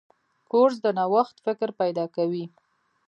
کورس د نوښت فکر پیدا کوي.